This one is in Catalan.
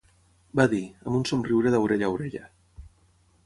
Va dir, amb un somriure d'orella a orella—.